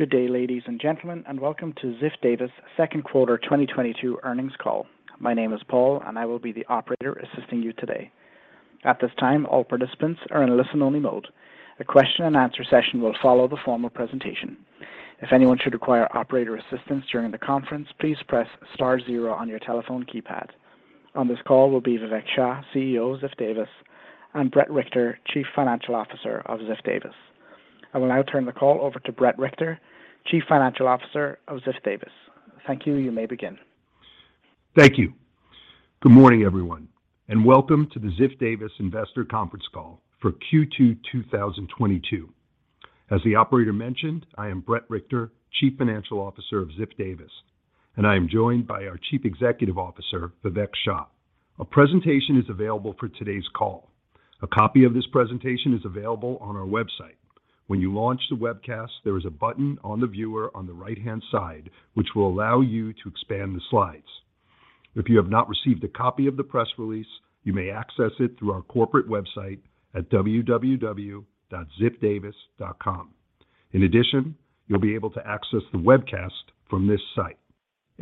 Good day, ladies and gentlemen, and welcome to Ziff Davis Second Quarter 2022 Earnings call. My name is Paul and I will be the operator assisting you today. At this time, all participants are in listen-only mode. A question-and-answer session will follow the formal presentation. If anyone should require operator assistance during the conference, please press star zero on your telephone keypad. On this call will be Vivek Shah, CEO of Ziff Davis, and Bret Richter, Chief Financial Officer of Ziff Davis. I will now turn the call over to Bret Richter, Chief Financial Officer of Ziff Davis. Thank you. You may begin. Thank you. Good morning, everyone, and welcome to the Ziff Davis Investor Conference call for Q2 2022. As the operator mentioned, I am Bret Richter, Chief Financial Officer of Ziff Davis, and I am joined by our Chief Executive Officer, Vivek Shah. A presentation is available for today's call. A copy of this presentation is available on our website. When you launch the webcast, there is a button on the viewer on the right-hand side which will allow you to expand the slides. If you have not received a copy of the press release, you may access it through our corporate website at www.ziffdavis.com. In addition, you'll be able to access the webcast from this site.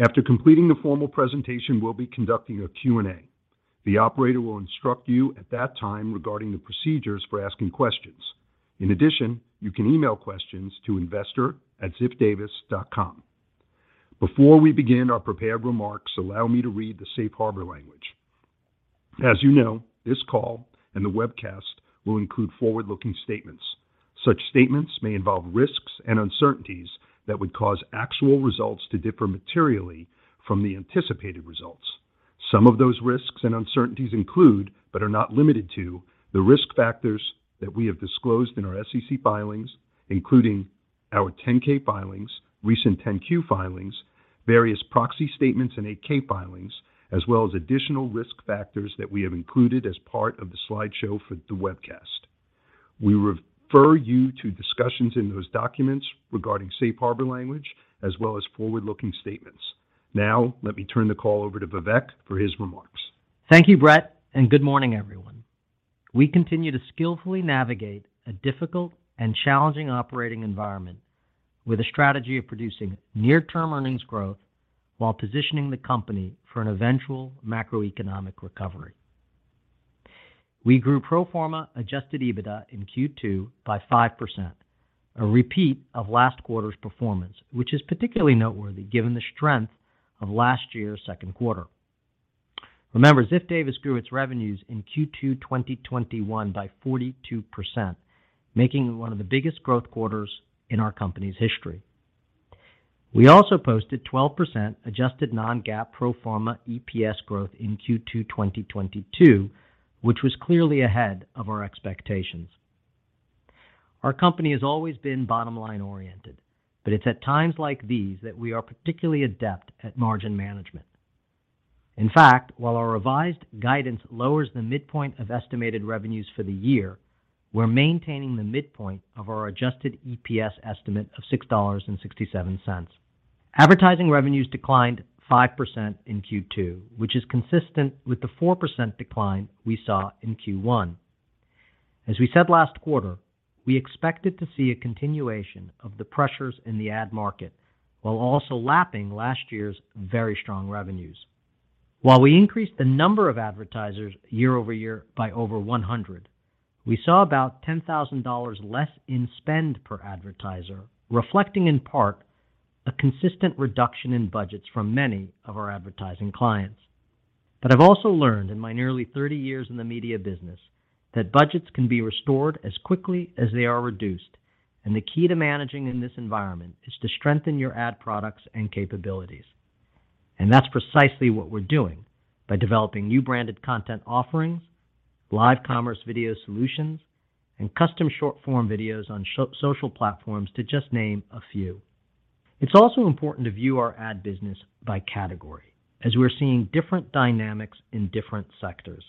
After completing the formal presentation, we'll be conducting a Q&A. The operator will instruct you at that time regarding the procedures for asking questions. In addition, you can email questions to investor@ziffdavis.com. Before we begin our prepared remarks, allow me to read the Safe Harbor language. As you know, this call and the webcast will include forward-looking statements. Such statements may involve risks and uncertainties that would cause actual results to differ materially from the anticipated results. Some of those risks and uncertainties include, but are not limited to, the risk factors that we have disclosed in our SEC filings, including our 10-K filings, recent 10-Q filings, various proxy statements, and 8-K filings, as well as additional risk factors that we have included as part of the slideshow for the webcast. We refer you to discussions in those documents regarding Safe Harbor language as well as forward-looking statements. Now let me turn the call over to Vivek for his remarks. Thank you, Bret, and good morning, everyone. We continue to skillfully navigate a difficult and challenging operating environment with a strategy of producing near-term earnings growth while positioning the company for an eventual macroeconomic recovery. We grew pro forma adjusted EBITDA in Q2 by 5%, a repeat of last quarter's performance, which is particularly noteworthy given the strength of last year's second quarter. Remember, Ziff Davis grew its revenues in Q2 2021 by 42%, making it one of the biggest growth quarters in our company's history. We also posted 12% adjusted non-GAAP pro forma EPS growth in Q2 2022, which was clearly ahead of our expectations. Our company has always been bottom-line-oriented, but it's at times like these that we are particularly adept at margin management. In fact, while our revised guidance lowers the midpoint of estimated revenues for the year, we're maintaining the midpoint of our adjusted EPS estimate of $6.67. Advertising revenues declined 5% in Q2, which is consistent with the 4% decline we saw in Q1. As we said last quarter, we expected to see a continuation of the pressures in the ad market while also lapping last year's very strong revenues. While we increased the number of advertisers year-over-year by over 100, we saw about $10,000 less in spend per advertiser, reflecting in part a consistent reduction in budgets from many of our advertising clients. But I've also learned in my nearly 30 years in the media business that budgets can be restored as quickly as they are reduced. The key to managing in this environment is to strengthen your ad products and capabilities. That's precisely what we're doing by developing new branded content offerings, live commerce video solutions, and custom short-form videos on social platforms to just name a few. It's also important to view our ad business by category as we're seeing different dynamics in different sectors.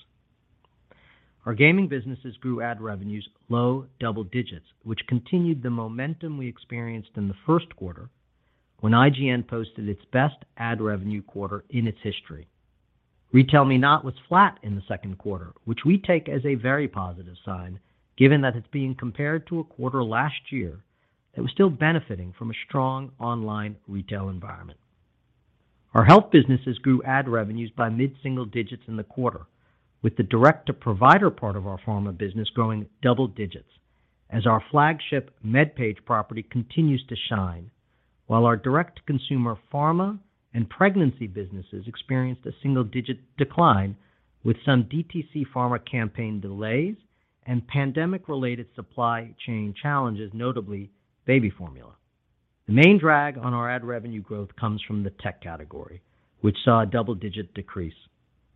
Our gaming businesses grew ad revenues low double digits, which continued the momentum we experienced in the first quarter when IGN posted its best ad revenue quarter in its history. RetailMeNot was flat in the second quarter, which we take as a very positive sign given that it's being compared to a quarter last year that was still benefiting from a strong online retail environment. Our health businesses grew ad revenues by mid-single digits in the quarter with the direct-to-provider part of our pharma business growing double digits as our flagship MedPage property continues to shine. While our direct-to-consumer pharma and pregnancy businesses experienced a single-digit decline with some DTC pharma campaign delays and pandemic-related supply chain challenges, notably baby formula. The main drag on our ad revenue growth comes from the tech category, which saw a double-digit decrease.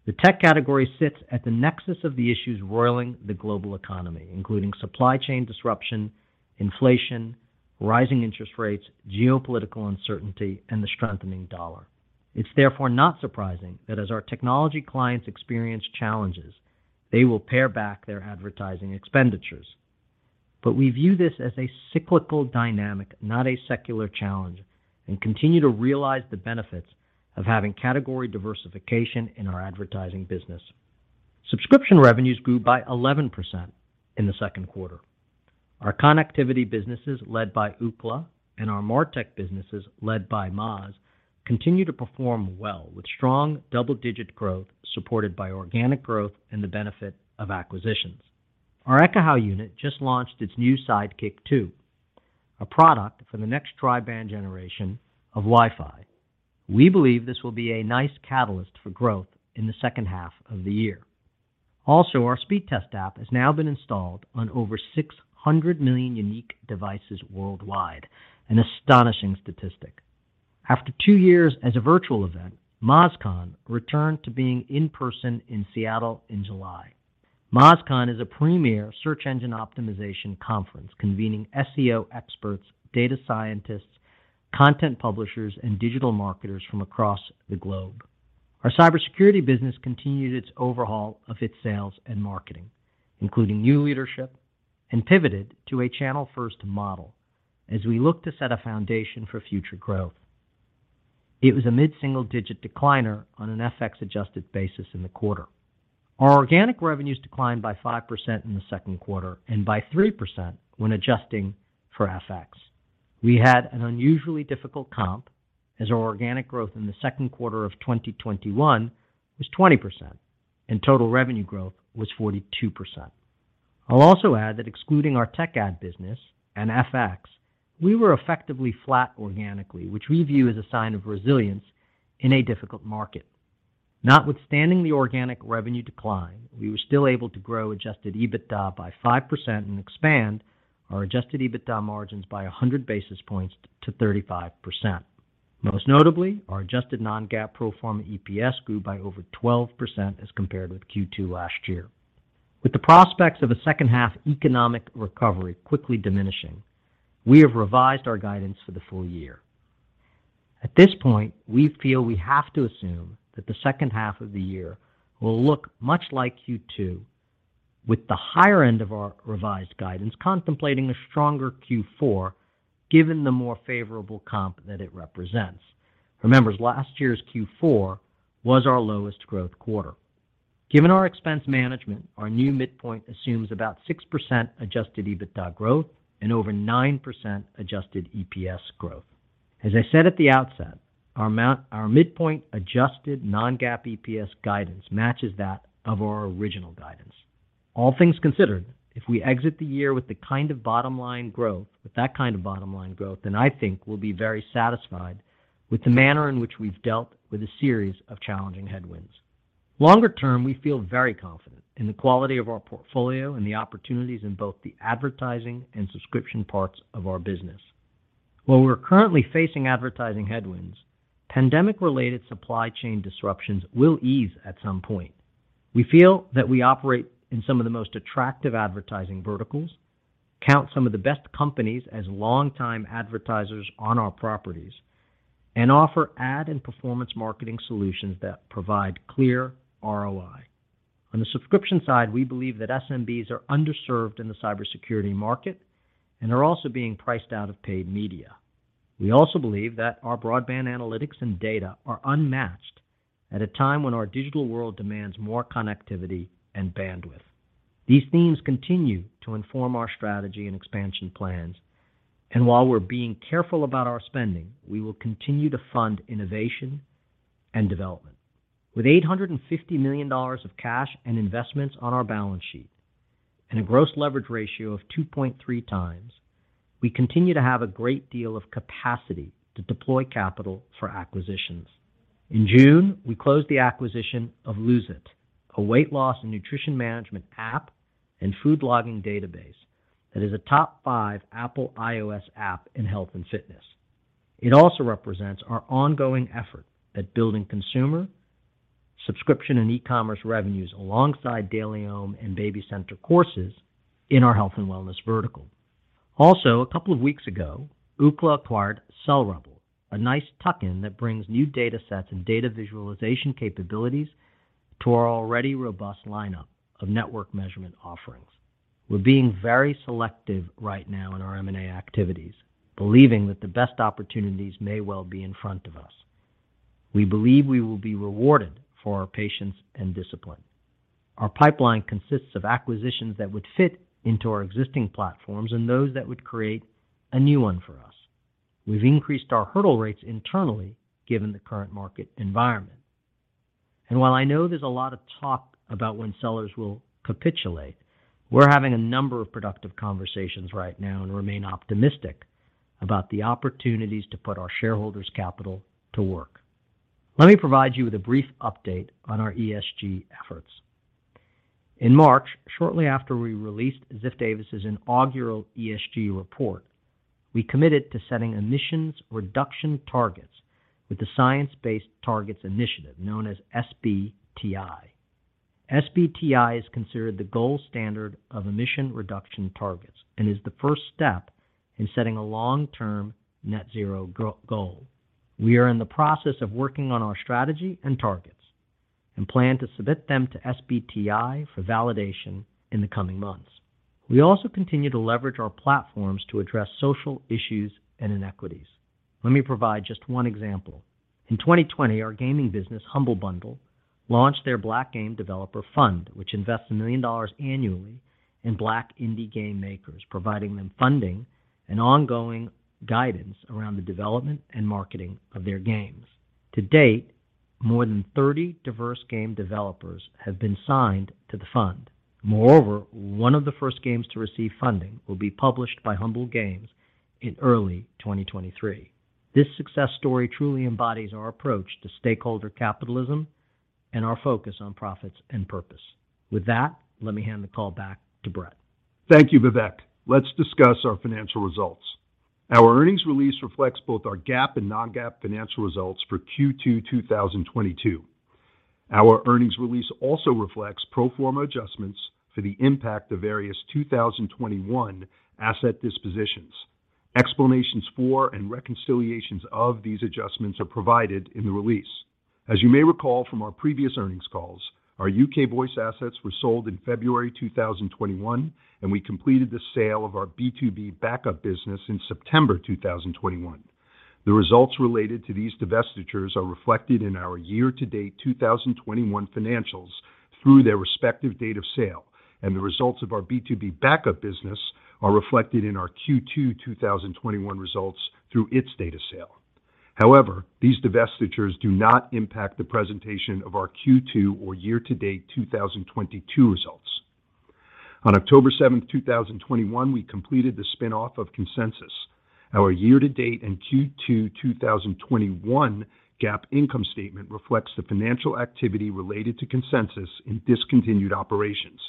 The tech category sits at the nexus of the issues roiling the global economy, including supply chain disruption, inflation, rising interest rates, geopolitical uncertainty, and the strengthening dollar. It's therefore not surprising that as our technology clients experience challenges, they will pare back their advertising expenditures. We view this as a cyclical dynamic, not a secular challenge, and continue to realize the benefits of having category diversification in our advertising business. Subscription revenues grew by 11% in the second quarter. Our connectivity businesses led by Ookla and our Martech businesses led by Moz continue to perform well with strong double-digit growth supported by organic growth and the benefit of acquisitions. Our Ekahau unit just launched its new Sidekick 2, a product for the next tri-band generation of Wi-Fi. We believe this will be a nice catalyst for growth in the second half of the year. Also, our Speedtest app has now been installed on over 600 million unique devices worldwide. An astonishing statistic. After two years as a virtual event, MozCon returned to being in-person in Seattle in July. MozCon is a premier search engine optimization conference convening SEO experts, data scientists, content publishers, and digital marketers from across the globe. Our Cybersecurity business continued its overhaul of its sales and marketing, including new leadership, and pivoted to a channel-first model as we look to set a foundation for future growth. It was a mid-single-digit decliner on an FX-adjusted basis in the quarter. Our organic revenues declined by 5% in the second quarter and by 3% when adjusting for FX. We had an unusually difficult comp as our organic growth in the second quarter of 2021 was 20% and total revenue growth was 42%. I'll also add that excluding our tech ad business and FX, we were effectively flat organically, which we view as a sign of resilience in a difficult market. Notwithstanding the organic revenue decline, we were still able to grow adjusted EBITDA by 5% and expand our adjusted EBITDA margins by 100 basis points to 35%. Most notably, our adjusted non-GAAP pro forma EPS grew by over 12% as compared with Q2 last year. With the prospects of a second half economic recovery quickly diminishing, we have revised our guidance for the full year. At this point, we feel we have to assume that the second half of the year will look much like Q2 with the higher end of our revised guidance contemplating a stronger Q4 given the more favorable comp that it represents. Remember, last year's Q4 was our lowest growth quarter. Given our expense management, our new midpoint assumes about 6% adjusted EBITDA growth and over 9% adjusted EPS growth. As I said at the outset, our midpoint adjusted non-GAAP EPS guidance matches that of our original guidance. All things considered, if we exit the year with that kind of bottom line growth, then I think we'll be very satisfied with the manner in which we've dealt with a series of challenging headwinds. Longer-term, we feel very confident in the quality of our portfolio and the opportunities in both the advertising and subscription parts of our business. While we're currently facing advertising headwinds, pandemic-related supply chain disruptions will ease at some point. We feel that we operate in some of the most attractive advertising verticals, count some of the best companies as long-time advertisers on our properties, and offer ad and performance marketing solutions that provide clear ROI. On the subscription side, we believe that SMBs are underserved in the Cybersecurity market and are also being priced out of paid media. We also believe that our broadband analytics and data are unmatched at a time when our digital world demands more connectivity and bandwidth. These themes continue to inform our strategy and expansion plans, and while we're being careful about our spending, we will continue to fund innovation and development. With $850 million of cash and investments on our balance sheet and a gross leverage ratio of 2.3x, we continue to have a great deal of capacity to deploy capital for acquisitions. In June, we closed the acquisition of Lose It!, a weight loss and nutrition management app and food log-in database that is a top five Apple iOS app in health and fitness. It also represents our ongoing effort at building consumer subscription and e-commerce revenues alongside DailyOM and BabyCenter courses in our health and wellness vertical. Also, a couple of weeks ago, Ookla acquired CellRebel, a nice tuck-in that brings new data sets and data visualization capabilities to our already robust lineup of network measurement offerings. We're being very selective right now in our M&A activities, believing that the best opportunities may well be in front of us. We believe we will be rewarded for our patience and discipline. Our pipeline consists of acquisitions that would fit into our existing platforms and those that would create a new one for us. We've increased our hurdle rates internally given the current market environment. While I know there's a lot of talk about when sellers will capitulate, we're having a number of productive conversations right now and remain optimistic about the opportunities to put our shareholders' capital to work. Let me provide you with a brief update on our ESG efforts. In March, shortly after we released Ziff Davis' inaugural ESG report, we committed to setting emissions reduction targets with the Science Based Targets initiative known as SBTi. SBTi is considered the gold standard of emissions reduction targets and is the first step in setting a long-term net-zero goal. We are in the process of working on our strategy and targets and plan to submit them to SBTi for validation in the coming months. We also continue to leverage our platforms to address social issues and inequities. Let me provide just one example. In 2020, our gaming business, Humble Bundle, launched their Black Game Developer Fund, which invests million dollars annually in Black indie game makers, providing them funding and ongoing guidance around the development and marketing of their games. To date, more than 30 diverse game developers have been signed to the fund. Moreover, one of the first games to receive funding will be published by Humble Games in early 2023. This success story truly embodies our approach to stakeholder capitalism and our focus on profits and purpose. With that, let me hand the call back to Bret. Thank you, Vivek. Let's discuss our financial results. Our earnings release reflects both our GAAP and non-GAAP financial results for Q2 2022. Our earnings release also reflects pro forma adjustments for the impact of various 2021 asset dispositions. Explanations for and reconciliations of these adjustments are provided in the release. As you may recall from our previous earnings calls, our U.K. voice assets were sold in February 2021, and we completed the sale of our B2B backup business in September 2021. The results related to these divestitures are reflected in our year-to-date 2021 financials through their respective date of sale, and the results of our B2B backup business are reflected in our Q2 2021 results through its date of sale. However, these divestitures do not impact the presentation of our Q2 or year-to-date 2022 results. On October 7, 2021, we completed the spin-off of Consensus. Our year-to-date and Q2 2021 GAAP income statement reflects the financial activity related to Consensus in discontinued operations.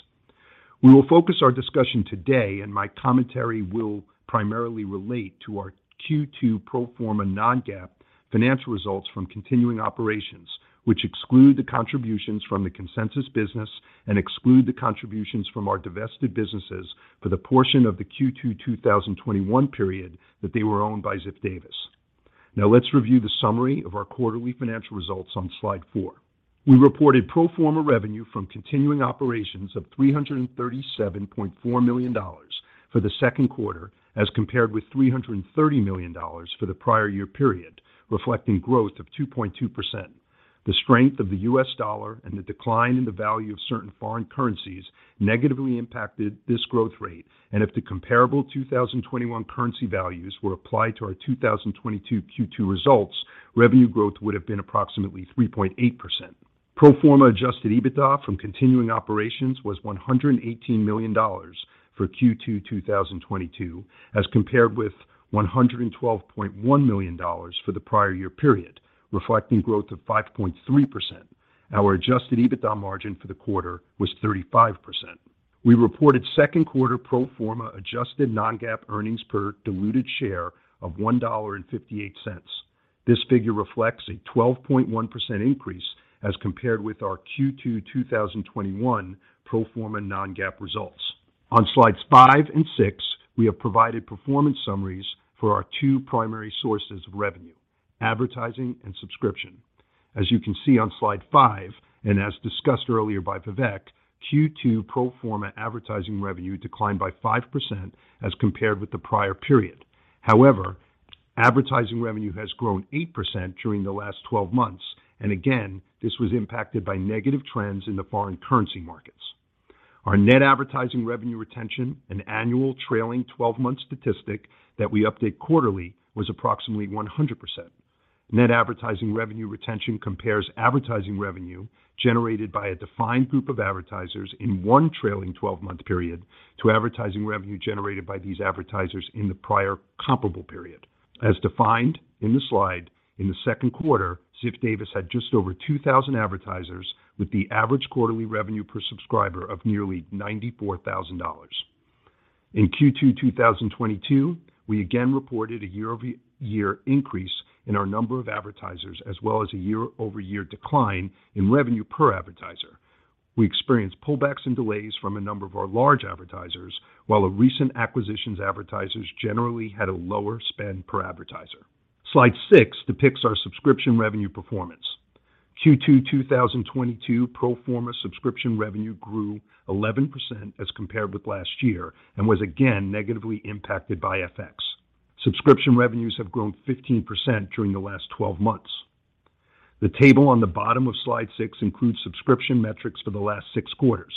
We will focus our discussion today, and my commentary will primarily relate to our Q2 pro forma non-GAAP financial results from continuing operations, which exclude the contributions from the Consensus business and exclude the contributions from our divested businesses for the portion of the Q2 2021 period that they were owned by Ziff Davis. Now let's review the summary of our quarterly financial results on slide four. We reported pro forma revenue from continuing operations of $337.4 million for the second quarter as compared with $330 million for the prior-year period, reflecting growth of 2.2%. The strength of the U.S. dollar and the decline in the value of certain foreign currencies negatively impacted this growth rate. If the comparable 2021 currency values were applied to our 2022 Q2 results, revenue growth would have been approximately 3.8%. Pro forma adjusted EBITDA from continuing operations was $118 million for Q2 2022 as compared with $112.1 million for the prior-year period, reflecting growth of 5.3%. Our adjusted EBITDA margin for the quarter was 35%. We reported second quarter pro forma adjusted non-GAAP earnings per diluted share of $1.58. This figure reflects a 12.1% increase as compared with our Q2 2021 pro forma non-GAAP results. On slides five and six, we have provided performance summaries for our two primary sources of revenue, advertising and subscription. As you can see on slide five, and as discussed earlier by Vivek, Q2 pro forma advertising revenue declined by 5% as compared with the prior-period. However, advertising revenue has grown 8% during the last 12 months. This was impacted by negative trends in the foreign currency markets. Our net advertising revenue retention, an annual trailing 12-month statistic that we update quarterly, was approximately 100%. Net advertising revenue retention compares advertising revenue generated by a defined group of advertisers in one trailing 12-month period to advertising revenue generated by these advertisers in the prior comparable period. As defined in the slide, in the second quarter, Ziff Davis had just over 2,000 advertisers with the average quarterly revenue per subscriber of nearly $94,000. In Q2 2022, we again reported a year-over-year increase in our number of advertisers as well as a year-over-year decline in revenue per advertiser. We experienced pullbacks and delays from a number of our large advertisers, while a recent acquisition's advertisers generally had a lower spend per advertiser. Slide six depicts our subscription revenue performance. Q2 2022 pro forma subscription revenue grew 11% as compared with last year and was again negatively impacted by FX. Subscription revenues have grown 15% during the last 12 months. The table on the bottom of slide six includes subscription metrics for the last six quarters.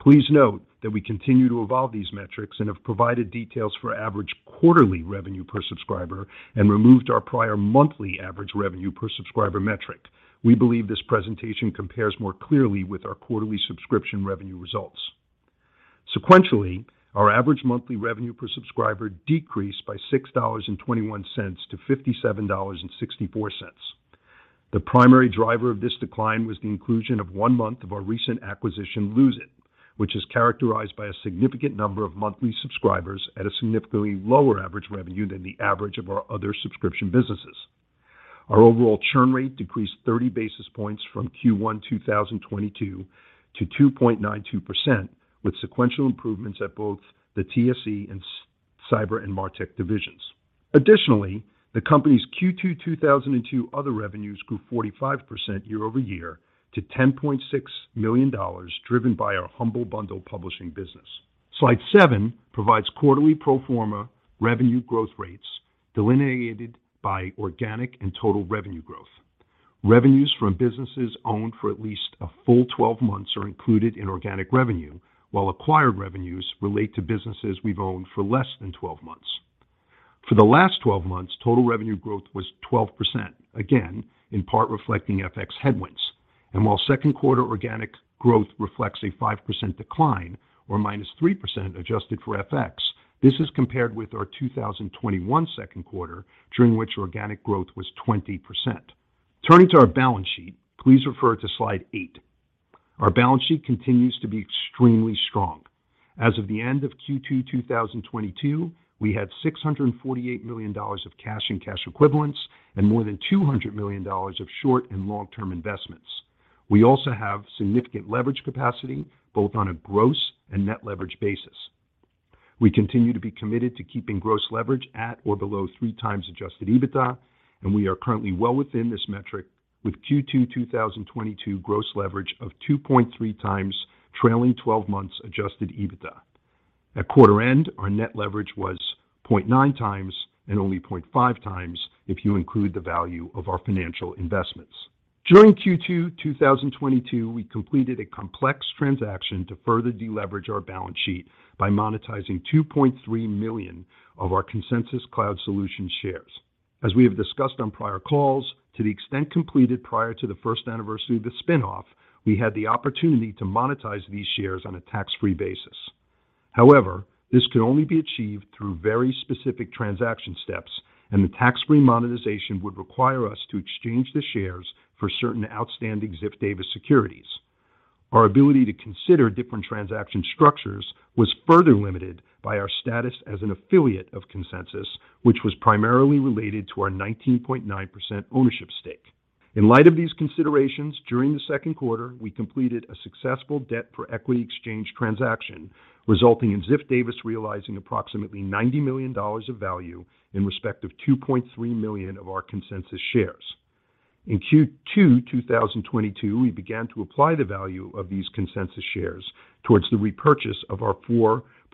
Please note that we continue to evolve these metrics and have provided details for average quarterly revenue per subscriber and removed our prior monthly average revenue per subscriber metric. We believe this presentation compares more clearly with our quarterly subscription revenue results. Sequentially, our average monthly revenue per subscriber decreased by $6.21 to $57.64. The primary driver of this decline was the inclusion of one month of our recent acquisition, Lose It!, which is characterized by a significant number of monthly subscribers at a significantly lower average revenue than the average of our other subscription businesses. Our overall churn rate decreased 30 basis points from Q1 2022 to 2.92%, with sequential improvements at both the TSE and cyber and MarTech divisions. Additionally, the company's Q2 2022 other revenues grew 45% year-over-year to $10.6 million, driven by our Humble Bundle publishing business. Slide seven provides quarterly pro forma revenue growth rates delineated by organic and total revenue growth. Revenues from businesses owned for at least a full 12 months are included in organic revenue, while acquired revenues relate to businesses we've owned for less than 12 months. For the last 12 months, total revenue growth was 12%, again, in part reflecting FX headwinds. While second quarter organic growth reflects a 5% decline or -3% adjusted for FX, this is compared with our 2021 second quarter, during which organic growth was 20%. Turning to our balance sheet, please refer to slide eight. Our balance sheet continues to be extremely strong. As of the end of Q2 2022, we had $648 million of cash and cash equivalents and more than $200 million of short and long-term investments. We also have significant leverage capacity, both on a gross and net leverage basis. We continue to be committed to keeping gross leverage at or below 3x adjusted EBITDA, and we are currently well within this metric with Q2 2022 gross leverage of 2.3x trailing 12 months adjusted EBITDA. At quarter end, our net leverage was 0.9x and only 0.5x if you include the value of our financial investments. During Q2 2022, we completed a complex transaction to further deleverage our balance sheet by monetizing 2.3 million of our Consensus Cloud Solutions shares. As we have discussed on prior calls, to the extent completed prior to the first anniversary of the spin-off, we had the opportunity to monetize these shares on a tax-free basis. However, this could only be achieved through very specific transaction steps, and the tax-free monetization would require us to exchange the shares for certain outstanding Ziff Davis securities. Our ability to consider different transaction structures was further limited by our status as an affiliate of Consensus, which was primarily related to our 19.9% ownership stake. In light of these considerations, during the second quarter, we completed a successful debt for equity exchange transaction, resulting in Ziff Davis realizing approximately $90 million of value in respect of 2.3 million of our Consensus shares. In Q2 2022, we began to apply the value of these Consensus shares towards the repurchase of our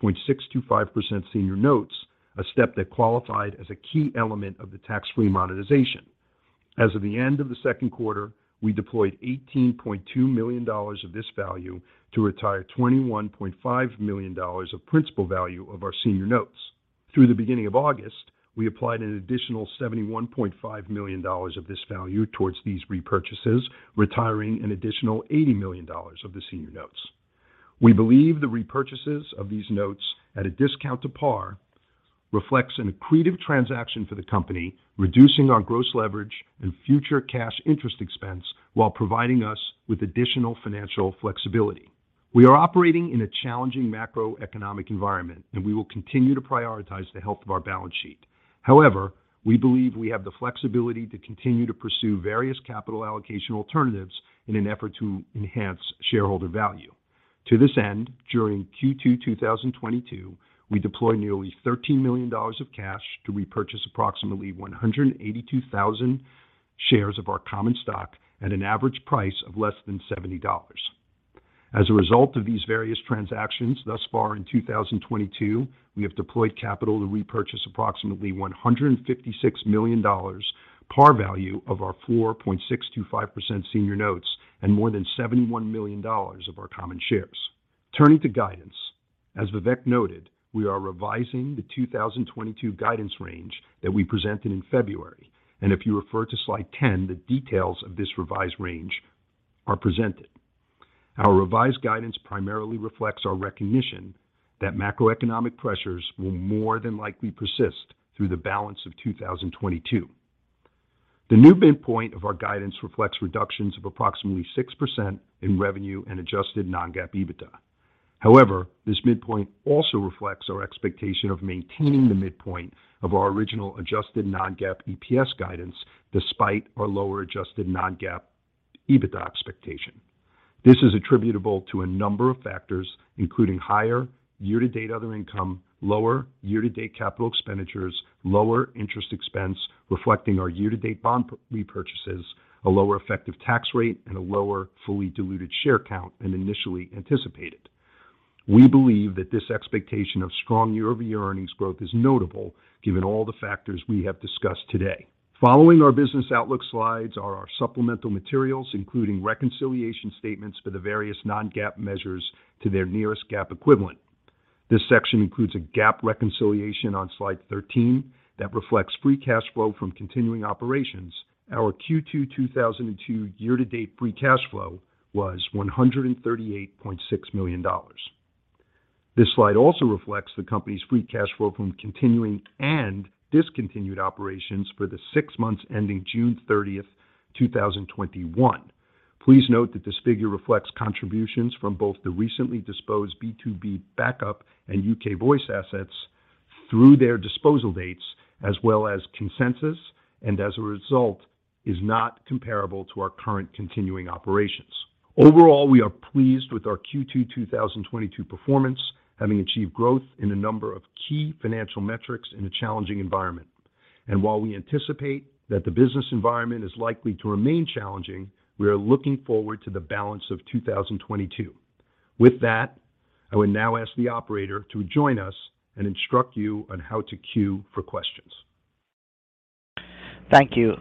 4.625% senior notes, a step that qualified as a key element of the tax-free monetization. As of the end of the second quarter, we deployed $18.2 million of this value to retire $21.5 million of principal value of our senior notes. Through the beginning of August, we applied an additional $71.5 million of this value towards these repurchases, retiring an additional $80 million of the senior notes. We believe the repurchases of these notes at a discount to par reflects an accretive transaction for the company, reducing our gross leverage and future cash interest expense while providing us with additional financial flexibility. We are operating in a challenging macroeconomic environment, and we will continue to prioritize the health of our balance sheet. However, we believe we have the flexibility to continue to pursue various capital allocation alternatives in an effort to enhance shareholder value. To this end, during Q2 2022, we deployed nearly $13 million of cash to repurchase approximately 182,000 shares of our common stock at an average price of less than $70. As a result of these various transactions, thus far in 2022, we have deployed capital to repurchase approximately $156 million par value of our 4.625% senior notes and more than $71 million of our common shares. Turning to guidance, as Vivek noted, we are revising the 2022 guidance range that we presented in February. If you refer to slide 10, the details of this revised range are presented. Our revised guidance primarily reflects our recognition that macroeconomic pressures will more than likely persist through the balance of 2022. The new midpoint of our guidance reflects reductions of approximately 6% in revenue and adjusted non-GAAP EBITDA. However, this midpoint also reflects our expectation of maintaining the midpoint of our original adjusted non-GAAP EPS guidance despite our lower adjusted non-GAAP EBITDA expectation. This is attributable to a number of factors, including higher year-to-date other income, lower year-to-date capital expenditures, lower interest expense reflecting our year-to-date bond repurchases, a lower effective tax rate, and a lower fully diluted share count than initially anticipated. We believe that this expectation of strong year-over-year earnings growth is notable given all the factors we have discussed today. Following our business outlook slides are our supplemental materials, including reconciliation statements for the various non-GAAP measures to their nearest GAAP equivalent. This section includes a GAAP reconciliation on slide 13 that reflects free cash flow from continuing operations. Our Q2 2022 year-to-date free cash flow was $138.6 million. This slide also reflects the company's free cash flow from continuing and discontinued operations for the six months ending June 30th 2021. Please note that this figure reflects contributions from both the recently disposed B2B backup and U.K. Voice assets through their disposal dates, as well as Consensus, and as a result is not comparable to our current continuing operations. Overall, we are pleased with our Q2 2022 performance, having achieved growth in a number of key financial metrics in a challenging environment. While we anticipate that the business environment is likely to remain challenging, we are looking forward to the balance of 2022. With that, I will now ask the operator to join us and instruct you on how to queue for questions. Thank you.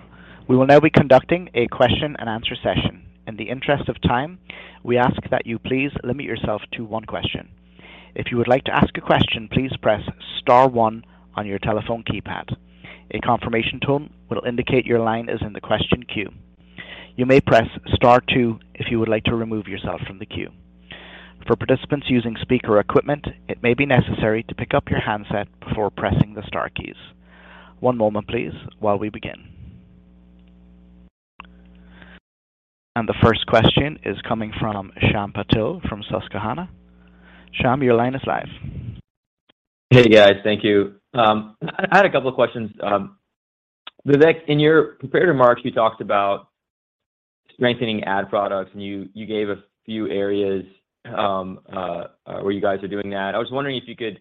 We will now be conducting a question-and-answer session. In the interest of time, we ask that you please limit yourself to one question. If you would like to ask a question, please press star one on your telephone keypad. A confirmation tone will indicate your line is in the question queue. You may press star two if you would like to remove yourself from the queue. For participants using speaker equipment, it may be necessary to pick up your handset before pressing the star keys. One moment please while we begin. The first question is coming from Shyam Patil from Susquehanna. Shyam, your line is live. Hey, guys. Thank you. I had a couple of questions. Vivek, in your prepared remarks, you talked about strengthening ad products, and you gave a few areas where you guys are doing that. I was wondering if you could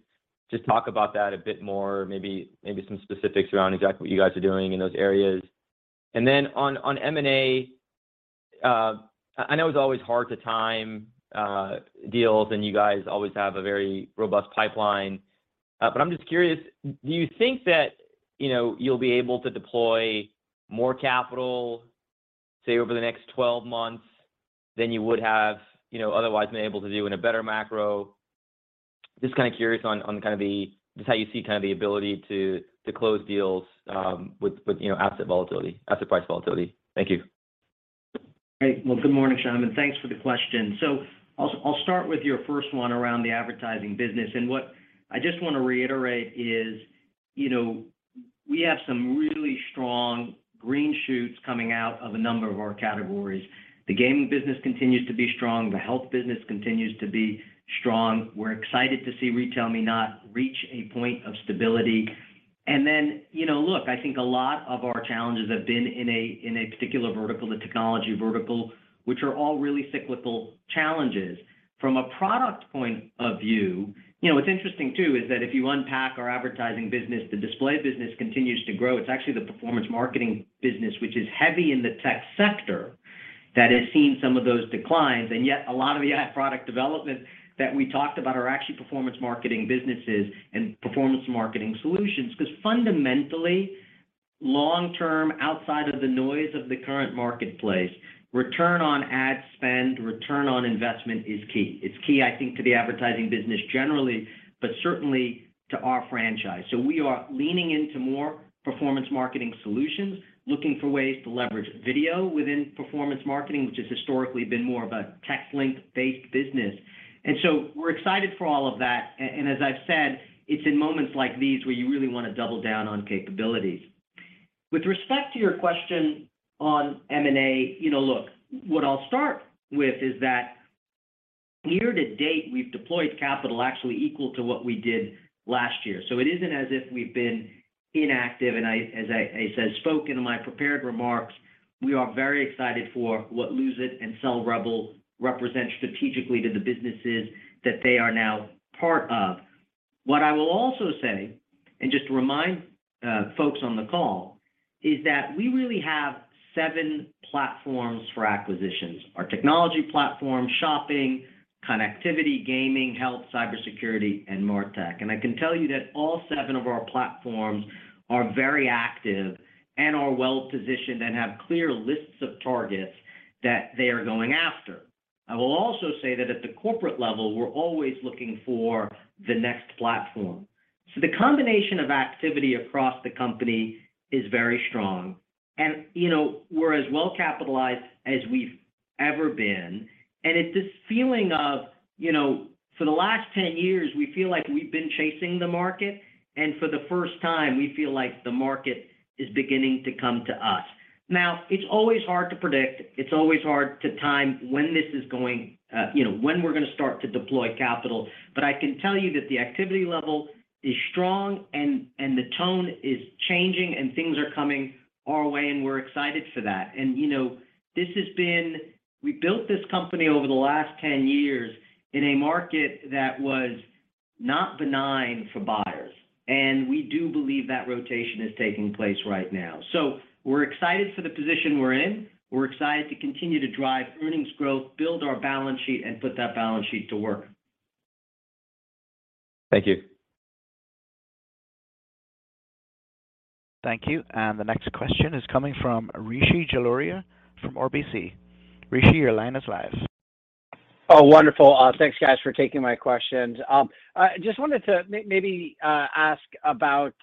just talk about that a bit more, maybe some specifics around exactly what you guys are doing in those areas. On M&A, I know it's always hard to time deals, and you guys always have a very robust pipeline. But I'm just curious, do you think that, you know, you'll be able to deploy more capital, say, over the next 12 months than you would have, you know, otherwise been able to do in a better macro? Just kind of curious on kind of just how you see kind of the ability to close deals with you know asset volatility asset price volatility. Thank you. Great. Well, good morning, Shyam, and thanks for the question. I'll start with your first one around the advertising business. What I just want to reiterate is, you know, we have some really strong green shoots coming out of a number of our categories. The gaming business continues to be strong. The health business continues to be strong. We're excited to see RetailMeNot reach a point of stability. Then, you know, look, I think a lot of our challenges have been in a particular vertical, the technology vertical, which are all really cyclical challenges. From a product point of view, you know, what's interesting too is that if you unpack our advertising business, the display business continues to grow. It's actually the performance marketing business, which is heavy in the tech sector that has seen some of those declines. Yet a lot of the ad product development that we talked about are actually performance marketing businesses and performance marketing solutions. 'Cause fundamentally, long-term, outside of the noise of the current marketplace, return on ad spend, return on investment is key. It's key, I think, to the advertising business generally, but certainly to our franchise. We are leaning into more performance marketing solutions, looking for ways to leverage video within performance marketing, which has historically been more of a tech-link-based business. We're excited for all of that. As I've said, it's in moments like these where you really wanna double down on capabilities. With respect to your question on M&A, you know, look, what I'll start with is that year-to-date, we've deployed capital actually equal to what we did last year. It isn't as if we've been inactive. As I said in my prepared remarks, we are very excited for what Lose It! and CellRebel represent strategically to the businesses that they are now part of. What I will also say, and just to remind folks on the call, is that we really have seven platforms for acquisitions, our technology platform, shopping, connectivity, gaming, health, Cybersecurity, and Martech. I can tell you that all seven of our platforms are very active and are well-positioned and have clear lists of targets that they are going after. I will also say that at the corporate level, we're always looking for the next platform. The combination of activity across the company is very strong. You know, we're as well-capitalized as we've ever been. It's this feeling of, you know, for the last 10 years, we feel like we've been chasing the market, and for the first time, we feel like the market is beginning to come to us. Now, it's always hard to predict. It's always hard to time when this is going, you know, when we're gonna start to deploy capital. I can tell you that the activity level is strong and the tone is changing and things are coming our way, and we're excited for that. You know, this has been we built this company over the last 10 years in a market that was not benign for buyers, and we do believe that rotation is taking place right now. We're excited for the position we're in. We're excited to continue to drive earnings growth, build our balance sheet, and put that balance sheet to work. Thank you. Thank you. The next question is coming from Rishi Jaluria from RBC. Rishi, your line is live. Oh, wonderful. Thanks, guys, for taking my questions. I just wanted to maybe ask about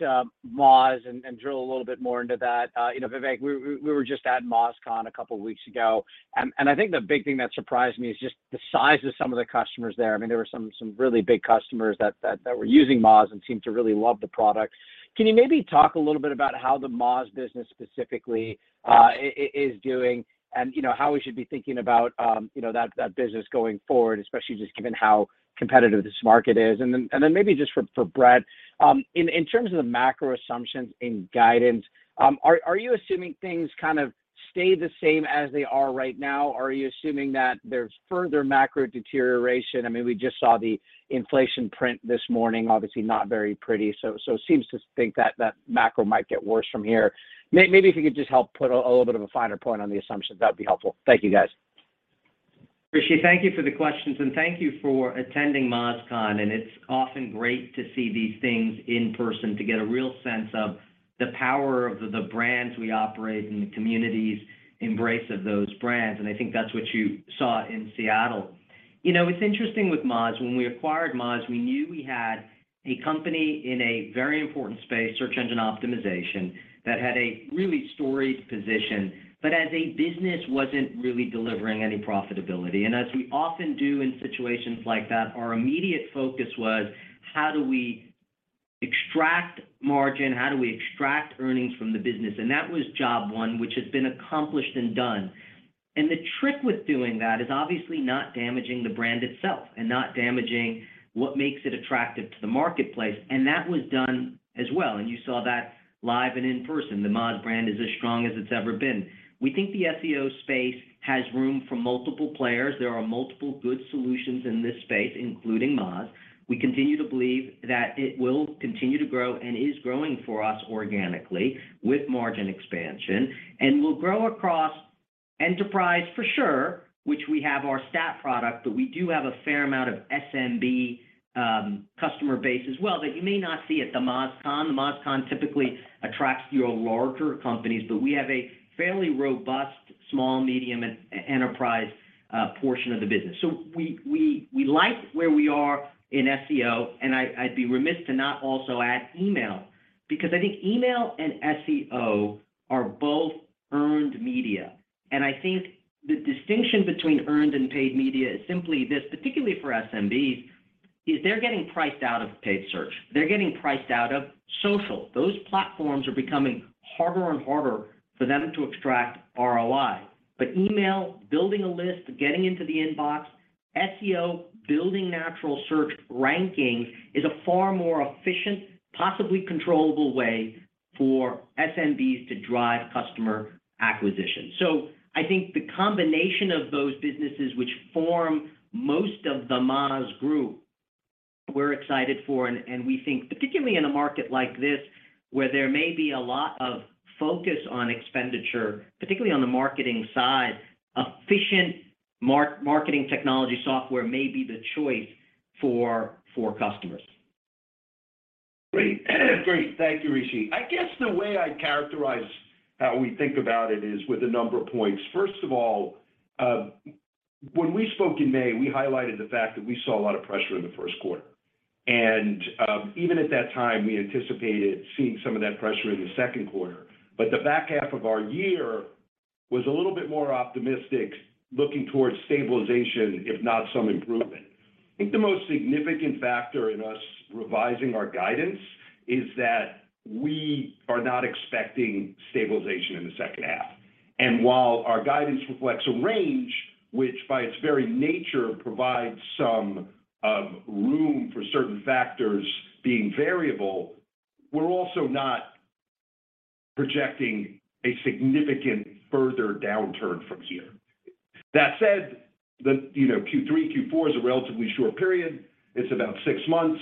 Moz and drill a little bit more into that. You know, Vivek, we were just at MozCon a couple weeks ago, and I think the big thing that surprised me is just the size of some of the customers there. I mean, there were some really big customers that were using Moz and seemed to really love the product. Can you maybe talk a little bit about how the Moz business specifically is doing and, you know, how we should be thinking about, you know, that business going forward, especially just given how competitive this market is? Maybe just for Bret, in terms of the macro assumptions in guidance, are you assuming things kind of stay the same as they are right now? Are you assuming that there's further macro deterioration? I mean, we just saw the inflation print this morning, obviously not very pretty. It seems to think that macro might get worse from here. Maybe if you could just help put a little bit of a finer point on the assumption, that'd be helpful. Thank you, guys. Rishi, thank you for the questions, and thank you for attending MozCon. It's often great to see these things in person to get a real sense of the power of the brands we operate and the communities embrace of those brands. I think that's what you saw in Seattle. You know, it's interesting with Moz. When we acquired Moz, we knew we had a company in a very important space, search engine optimization, that had a really storied position, but as a business wasn't really delivering any profitability. As we often do in situations like that, our immediate focus was how do we extract margin? How do we extract earnings from the business? That was job one, which has been accomplished and done. The trick with doing that is obviously not damaging the brand itself and not damaging what makes it attractive to the marketplace. That was done as well, and you saw that live and in person. The Moz brand is as strong as it's ever been. We think the SEO space has room for multiple players. There are multiple good solutions in this space, including Moz. We continue to believe that it will continue to grow and is growing for us organically with margin expansion and will grow across enterprise for sure, which we have our stat product. But we do have a fair amount of SMB, customer base as well that you may not see at the MozCon. The MozCon typically attracts your larger companies, but we have a fairly robust small, medium, and enterprise, portion of the business. We like where we are in SEO, and I’d be remiss to not also add email because I think email and SEO are both earned media. I think the distinction between earned and paid media is simply this, particularly for SMBs, is they’re getting priced out of paid search. They’re getting priced out of social. Those platforms are becoming harder and harder for them to extract ROI. Email, building a list, getting into the inbox, SEO, building natural search ranking is a far more efficient, possibly controllable way for SMBs to drive customer acquisition. I think the combination of those businesses which form most of the Moz Group, we’re excited for. We think particularly in a market like this, where there may be a lot of focus on expenditure, particularly on the marketing side, efficient marketing technology software may be the choice for customers. Great. Thank you, Rishi. I guess the way I'd characterize how we think about it is with a number of points. First of all, when we spoke in May, we highlighted the fact that we saw a lot of pressure in the first quarter. Even at that time, we anticipated seeing some of that pressure in the second quarter. The back half of our year was a little bit more optimistic looking towards stabilization, if not some improvement. I think the most significant factor in us revising our guidance is that we are not expecting stabilization in the second half. While our guidance reflects a range, which by its very nature provides some room for certain factors being variable, we're also not projecting a significant further downturn from here. That said, you know, Q3 and Q4 is a relatively short period. It's about six months.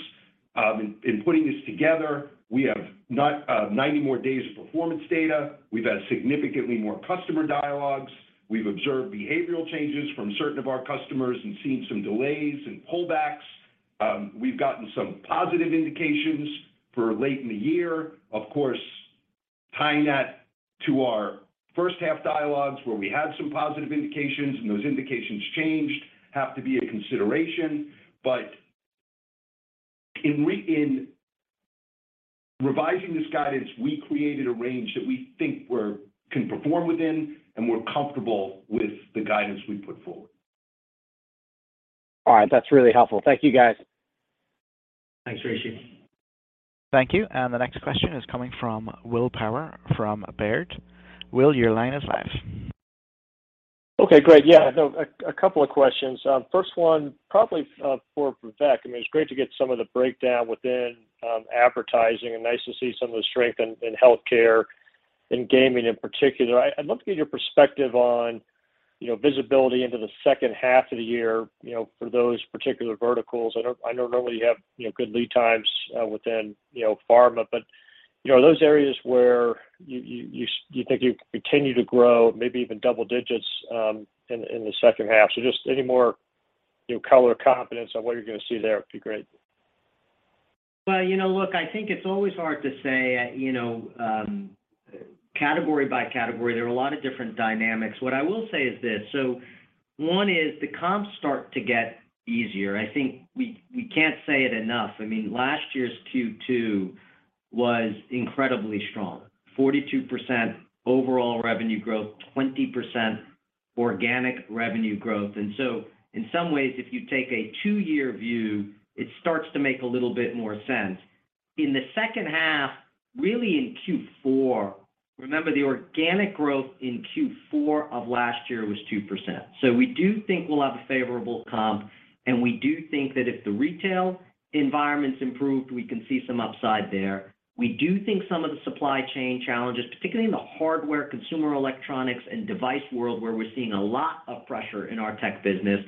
In putting this together, we have 90 more days of performance data. We've had significantly more customer dialogues. We've observed behavioral changes from certain of our customers and seen some delays and pullbacks. We've gotten some positive indications for late in the year. Of course, tying that to our first half dialogues where we had some positive indications and those indications changed, have to be a consideration. In revising this guidance, we created a range that we think we can perform within, and we're comfortable with the guidance we put forward. All right. That's really helpful. Thank you, guys. Thanks, Rishi. Thank you. The next question is coming from Will Power from Baird. Will, your line is live. Okay, great. Yeah. No, a couple of questions. First one probably for Vivek. I mean, it's great to get some of the breakdown within advertising and nice to see some of the strength in healthcare and gaming in particular. I'd love to get your perspective on visibility into the second half of the year for those particular verticals. I know normally you have good lead times within pharma. Are those areas where you think you can continue to grow maybe even double digits in the second half? Just any more color or confidence on what you're gonna see there would be great. Well, you know, look, I think it's always hard to say, you know, category by category. There are a lot of different dynamics. What I will say is this. One is the comps start to get easier. I think we can't say it enough. I mean, last year's Q2 was incredibly strong. 42% overall revenue growth, 20% organic revenue growth. In some ways, if you take a two-year view, it starts to make a little bit more sense. In the second half, really in Q4, remember the organic growth in Q4 of last year was 2%. We do think we'll have a favorable comp, and we do think that if the retail environment's improved, we can see some upside there. We do think some of the supply chain challenges, particularly in the hardware, consumer electronics, and device world, where we're seeing a lot of pressure in our tech business.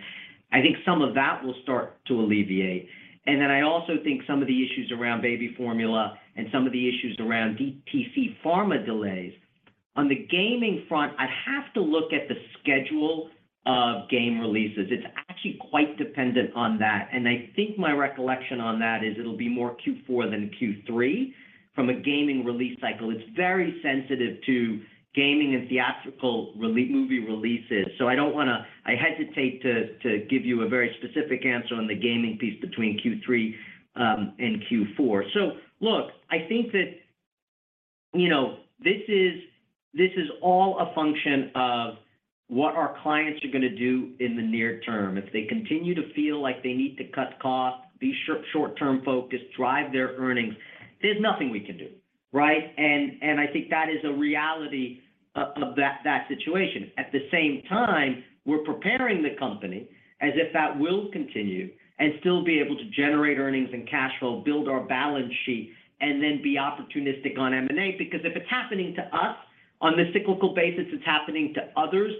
I think some of that will start to alleviate. Then I also think some of the issues around baby formula and some of the issues around DTC pharma delays. On the gaming front, I have to look at the schedule of game releases. It's actually quite dependent on that. I think my recollection on that is it'll be more Q4 than Q3 from a gaming release cycle. It's very sensitive to gaming and movie releases. I don't wanna. I hesitate to give you a very specific answer on the gaming piece between Q3 and Q4. Look, I think that, you know, this is all a function of what our clients are gonna do in the near-term. If they continue to feel like they need to cut costs, be short-term focused, drive their earnings, there's nothing we can do, right? I think that is a reality of that situation. At the same time, we're preparing the company as if that will continue and still be able to generate earnings and cash flow, build our balance sheet, and then be opportunistic on M&A. Because if it's happening to us on this cyclical basis, it's happening to others.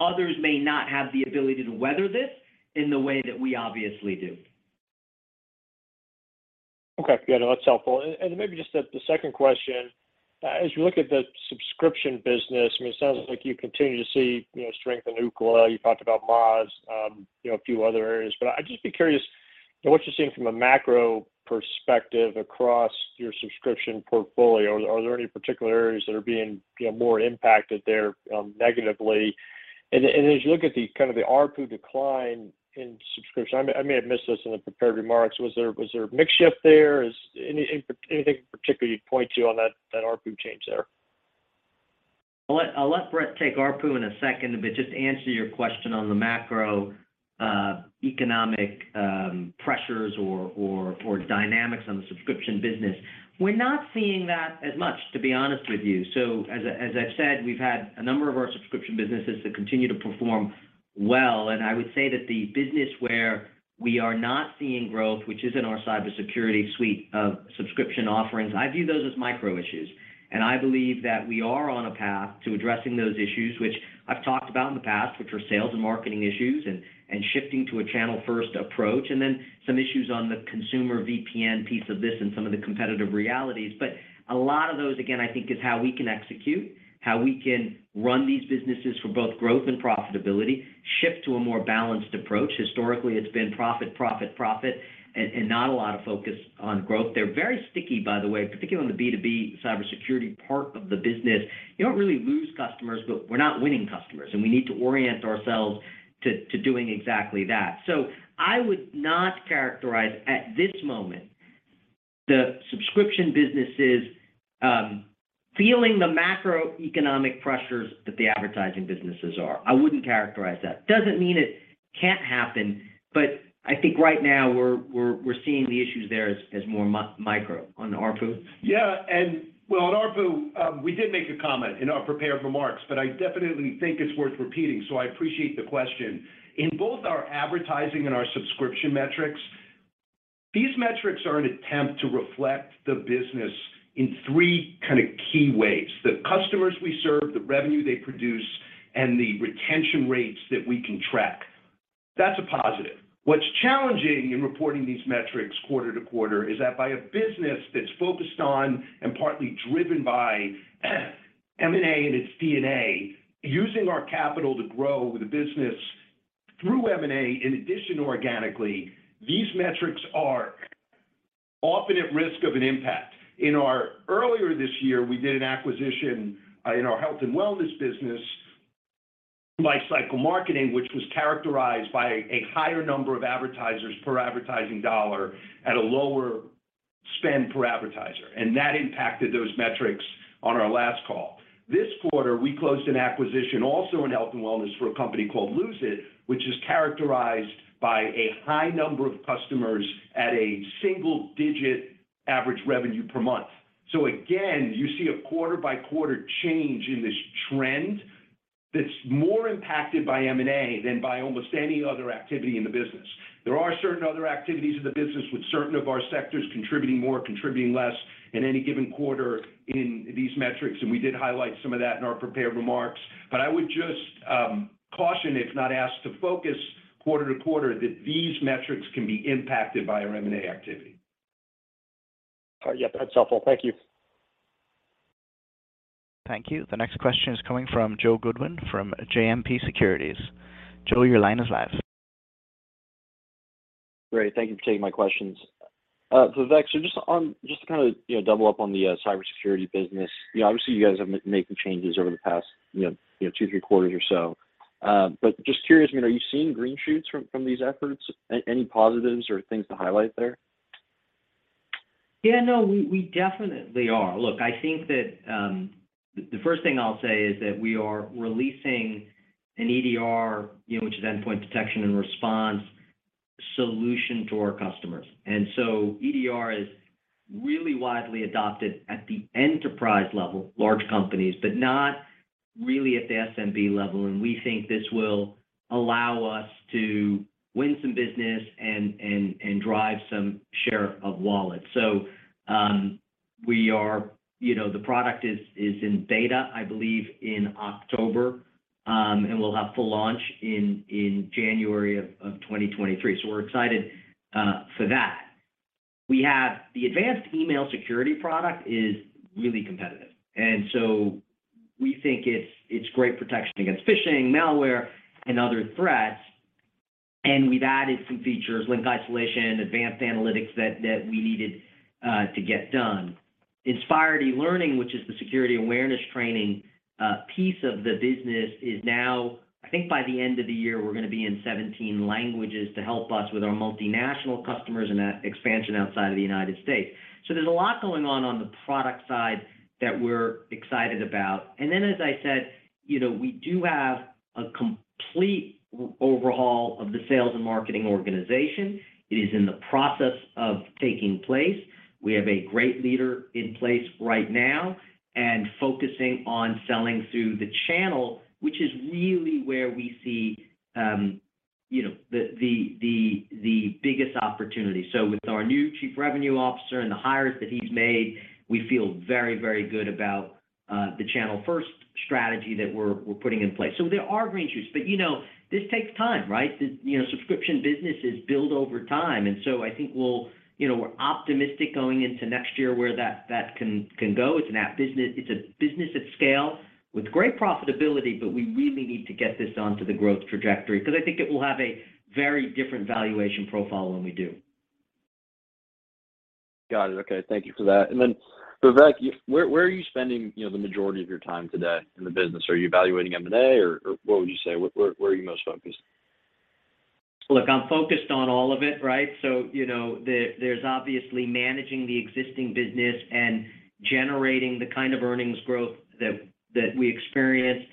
Others may not have the ability to weather this in the way that we obviously do. Okay. Yeah, no, that's helpful. Maybe just the second question. As you look at the subscription business, I mean, it sounds like you continue to see, you know, strength in Ookla. You talked about Moz, you know, a few other areas. I'd just be curious what you're seeing from a macro-perspective across your subscription portfolio. Are there any particular areas that are being, you know, more impacted there, negatively? As you look at the kind of the ARPU decline in subscription, I may have missed this in the prepared remarks, was there a mix shift there? Is anything in particular you'd point to on that ARPU change there? I'll let Bret take ARPU in a second, but just to answer your question on the macroeconomic pressures or dynamics on the subscription business. We're not seeing that as much, to be honest with you. As I've said, we've had a number of our subscription businesses that continue to perform well. I would say that the business where we are not seeing growth, which is in our Cybersecurity suite of subscription offerings, I view those as micro issues. I believe that we are on a path to addressing those issues, which I've talked about in the past, which are sales and marketing issues and shifting to a channel-first approach, and then some issues on the consumer VPN piece of this and some of the competitive realities. A lot of those, again, I think is how we can execute, how we can run these businesses for both growth and profitability, shift to a more balanced approach. Historically, it's been profit, profit, and not a lot of focus on growth. They're very sticky by the way, particularly on the B2B Cybersecurity part of the business. You don't really lose customers, but we're not winning customers, and we need to orient ourselves to doing exactly that. I would not characterize at this moment the subscription businesses feeling the macroeconomic pressures that the advertising businesses are. I wouldn't characterize that. Doesn't mean it can't happen, but I think right now we're seeing the issues there as more micro. On ARPU? Yeah. Well, on ARPU, we did make a comment in our prepared remarks, but I definitely think it's worth repeating, so I appreciate the question. In both our advertising and our subscription metrics, these metrics are an attempt to reflect the business in three kind of key ways, the customers we serve, the revenue they produce, and the retention rates that we can track. That's a positive. What's challenging in reporting these metrics quarter to quarter is that by a business that's focused on and partly driven by M&A and its DNA, using our capital to grow the business through M&A in addition to organically, these metrics are often at risk of an impact. Earlier this year, we did an acquisition in our health and wellness business by Lifecycle Marketing, which was characterized by a higher number of advertisers per advertising dollar at a lower spend per advertiser. That impacted those metrics on our last call. This quarter, we closed an acquisition also in health and wellness for a company called Lose It!, which is characterized by a high number of customers at a single-digit average revenue per month. Again, you see a quarter-by-quarter change in this trend that's more impacted by M&A than by almost any other activity in the business. There are certain other activities of the business with certain of our sectors contributing more, contributing less in any given quarter in these metrics, and we did highlight some of that in our prepared remarks. I would just caution if not asked to focus quarter to quarter that these metrics can be impacted by our M&A activity. Yeah. That's helpful. Thank you. Thank you. The next question is coming from Joe Goodwin from JMP Securities. Joe, your line is live. Great. Thank you for taking my questions. Vivek, just to kinda, you know, double up on the Cybersecurity business. You know, obviously you guys have been making changes over the past, you know, two or three quarters or so. But just curious, I mean, are you seeing green shoots from these efforts? Any positives or things to highlight there? Yeah, no, we definitely are. Look, I think that the first thing I'll say is that we are releasing an EDR, you know, which is endpoint detection and response solution to our customers. EDR is really widely adopted at the enterprise level, large companies, but not really at the SMB level, and we think this will allow us to win some business and drive some share of wallet. We are, you know, the product is in beta, I believe, in October. We'll have full launch in January of 2023. We're excited for that. We have the advanced email security product is really competitive. We think it's great protection against phishing, malware, and other threats, and we've added some features, link isolation, advanced analytics that we needed to get done. Inspired eLearning, which is the security awareness training piece of the business, is now, I think by the end of the year, we're gonna be in 17 languages to help us with our multinational customers and expansion outside of the United States. There's a lot going on the product side that we're excited about. As I said, you know, we do have a complete overhaul of the sales and marketing organization. It is in the process of taking place. We have a great leader in place right now and focusing on selling through the channel, which is really where we see, you know, the biggest opportunity. So with our new Chief Revenue Officer and the hires that he's made, we feel very, very good about the channel-first strategy that we're putting in place. So there are green shoots. But, you know, this takes time, right? You know, subscription businesses build over time. I think we'll, you know, we're optimistic going into next year where that can go. It's an ad business. It's a business at scale with great profitability. We really need to get this onto the growth trajectory 'cause I think it will have a very different valuation profile when we do. Got it. Okay. Thank you for that. Vivek, you, where are you spending, you know, the majority of your time today in the business? Are you evaluating M&A or what would you say? Where are you most focused? Look, I'm focused on all of it, right? You know, there's obviously managing the existing business and generating the kind of earnings growth that we experienced,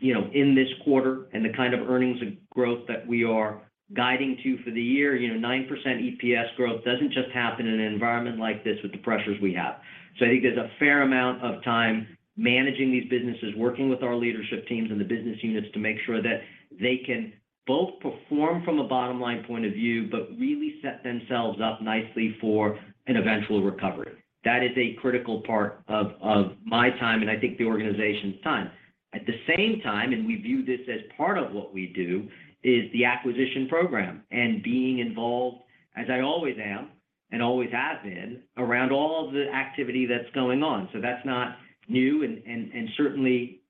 you know, in this quarter and the kind of earnings growth that we are guiding to for the year. You know, 9% EPS growth doesn't just happen in an environment like this with the pressures we have. I think there's a fair amount of time managing these businesses, working with our leadership teams and the business units to make sure that they can both perform from a bottom-line point of view, but really set themselves up nicely for an eventual recovery. That is a critical part of my time and I think the organization's time. At the same time, we view this as part of what we do, is the acquisition program and being involved, as I always am and always have been, around all the activity that's going on. That's not new and certainly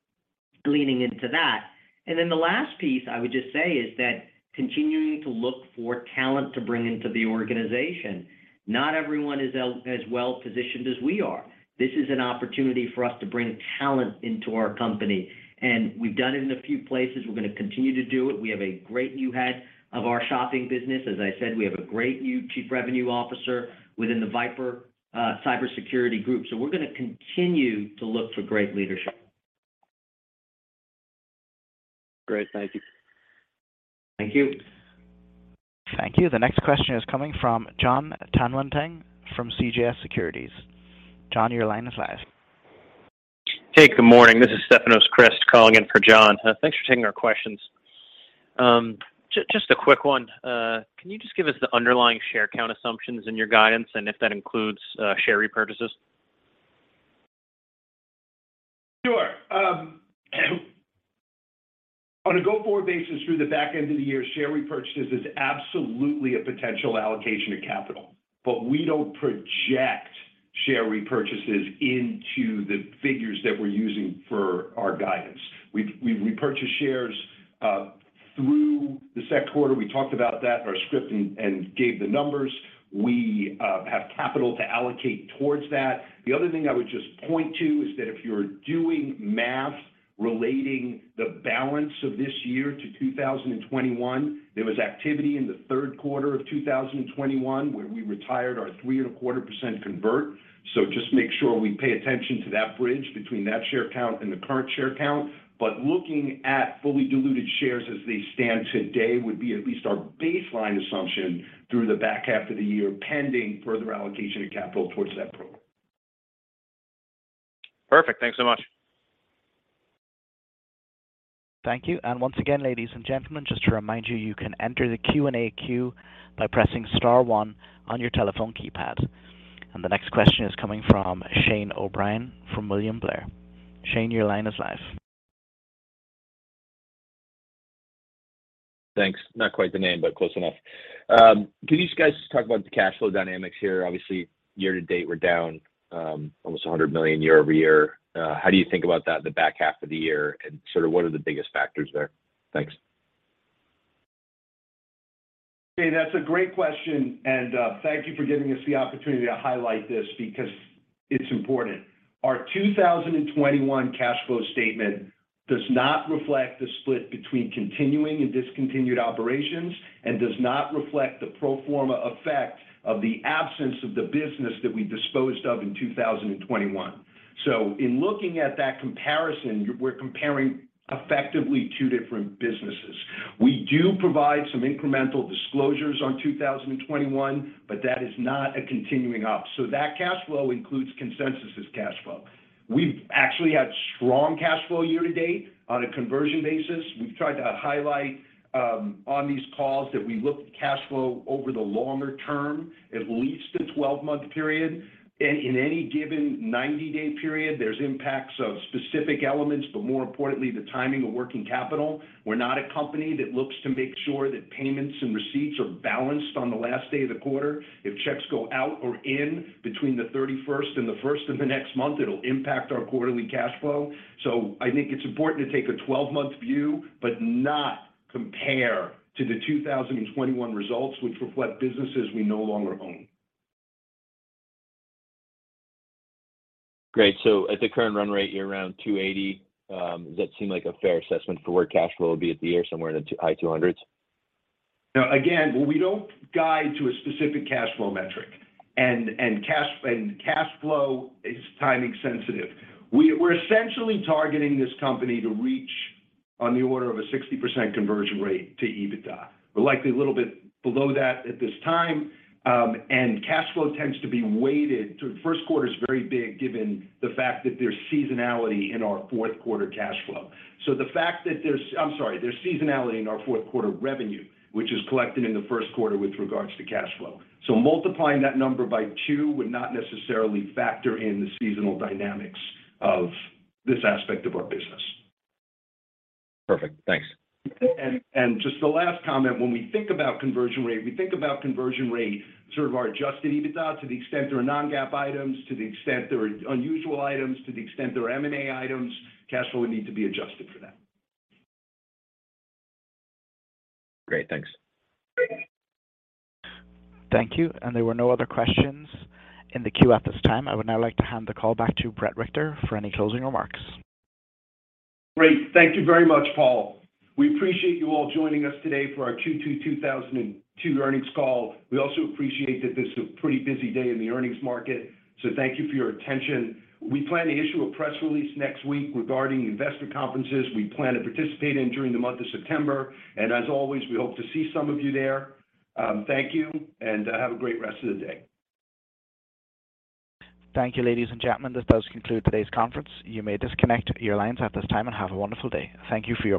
leaning into that. The last piece I would just say is that continuing to look for talent to bring into the organization. Not everyone is as well-positioned as we are. This is an opportunity for us to bring talent into our company, and we've done it in a few places. We're gonna continue to do it. We have a great new head of our shopping business. As I said, we have a great new Chief Revenue Officer within the VIPRE Cybersecurity Group. We're gonna continue to look for great leadership. Great. Thank you. Thank you. Thank you. The next question is coming from Jon Tanwanteng from CJS Securities. John, your line is live. Hey, good morning. This is Stefanos Crist calling in for Jon. Thanks for taking our questions. Just a quick one. Can you just give us the underlying share count assumptions in your guidance and if that includes share repurchases? Sure. On a go-forward basis through the back end of the year, share repurchases is absolutely a potential allocation of capital. We don't project share repurchases into the figures that we're using for our guidance. We've repurchased shares through the second quarter. We talked about that in our script and gave the numbers. We have capital to allocate towards that. The other thing I would just point to is that if you're doing math relating the balance of this year to 2021, there was activity in the third quarter of 2021 where we retired our 3.25% convert. Just make sure we pay attention to that bridge between that share count and the current share count. Looking at fully diluted shares as they stand today would be at least our baseline assumption through the back half of the year, pending further allocation of capital towards that program. Perfect. Thanks so much. Thank you. Once again, ladies and gentlemen, just to remind you can enter the Q&A queue by pressing star one on your telephone keypad. The next question is coming fromJim Breen from William Blair. Jim, your line is live. Thanks. Not quite the name, but close enough. Can you guys just talk about the cash flow dynamics here? Obviously, year-to-date, we're down almost $100 million year-over-year. How do you think about that in the back half of the year, and sort of what are the biggest factors there? Thanks. Jim, that's a great question, and thank you for giving us the opportunity to highlight this because it's important. Our 2021 cash flow statement does not reflect the split between continuing and discontinued operations and does not reflect the pro forma effect of the absence of the business that we disposed of in 2021. In looking at that comparison, we're comparing Effectively two different businesses. We do provide some incremental disclosures on 2021, but that is not a continuing op. That cash flow includes Consensus's cash flow. We've actually had strong cash flow year-to-date on a conversion basis. We've tried to highlight on these calls that we look at cash flow over the longer term, at least a 12-month period. In any given 90-day period, there's impacts of specific elements, but more importantly, the timing of working capital. We're not a company that looks to make sure that payments and receipts are balanced on the last day of the quarter. If checks go out or in between the 31st and the 1st of the next month, it'll impact our quarterly cash flow. I think it's important to take a 12-month view, but not compare to the 2021 results, which reflect businesses we no longer own. Great. At the current run rate, you're around $280. Does that seem like a fair assessment for where cash flow would be at the year, somewhere in the high 200s? Now, again, we don't guide to a specific cash flow metric and cash flow is timing sensitive. We're essentially targeting this company to reach on the order of a 60% conversion rate to EBITDA. We're likely a little bit below that at this time, and cash flow tends to be weighted. The first quarter is very big given the fact that there's seasonality in our fourth quarter revenue, which is collected in the first quarter with regards to cash flow. Multiplying that number by two would not necessarily factor in the seasonal dynamics of this aspect of our business. Perfect. Thanks. Just the last comment, when we think about conversion rate, sort of our adjusted EBITDA to the extent there are non-GAAP items, to the extent there are unusual items, to the extent there are M&A items, cash flow would need to be adjusted for that. Great, thanks. Thank you. There were no other questions in the queue at this time. I would now like to hand the call back to Bret Richter for any closing remarks. Great. Thank you very much, Paul. We appreciate you all joining us today for our Q2 2022 Earnings call. We also appreciate that this is a pretty busy day in the earnings market. So thank you for your attention. We plan to issue a press release next week regarding investor conferences we plan to participate in during the month of September. As always, we hope to see some of you there. Thank you, and have a great rest of the day. Thank you, ladies and gentlemen. This does conclude today's conference. You may disconnect your lines at this time and have a wonderful day. Thank you for your participation.